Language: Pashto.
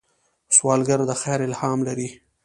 سوالګر د خیر الهام لري